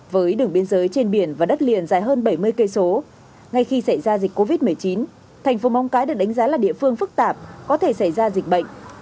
với đường biên giới trên biển và đất liền dài hơn bảy mươi km ngay khi xảy ra dịch covid một mươi chín thành phố móng cái được đánh giá là địa phương phức tạp có thể xảy ra dịch bệnh